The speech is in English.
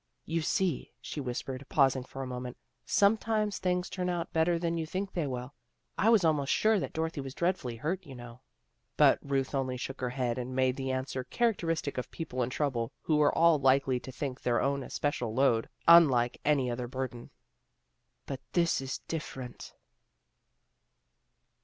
' You see," she whispered, pausing for a moment, " Sometimes things turn out better than you think they will. I was almost sure that Dorothy was dreadfully hurt, you know." But Ruth only shook her head and made the answer characteristic of people in trouble, who are all likely to think their own especial load, unlike any other burden. " But this is different."